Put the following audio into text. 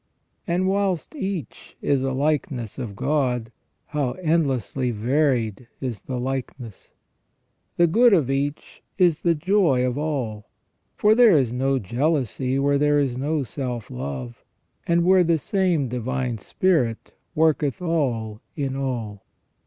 And whilst each is a likeness of God, how endlessly varied is the likeness. The good of each is the joy of all, for there is no jealousy where there is no self love, and where the same Divine Spirit worketh all in all.